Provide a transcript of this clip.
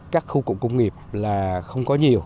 các khu cục công nghiệp là không có nhiều